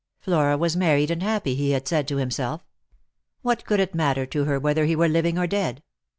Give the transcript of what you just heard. Flora was married and happy, he had said to himself. What could it matter to her whether he were living or dead